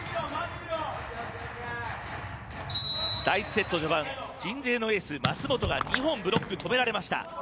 第１セット序盤鎮西のエース・舛元が２本、ブロック止められました。